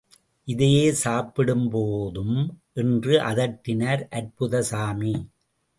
இதையே சாப்பிடுபோதும் என்று அதட்டினார் அற்புதசாமி!